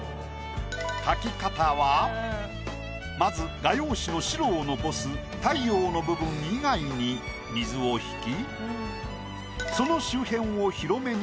描き方はまず画用紙の白を残す太陽の部分以外に水をひき。